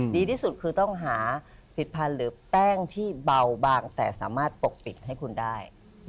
ดีที่สุดคือต้องหาผิดพันธุ์หรือแป้งที่เบาบางแต่สามารถปกปิดให้คุณได้